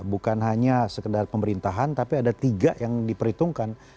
bukan hanya sekedar pemerintahan tapi ada tiga yang diperhitungkan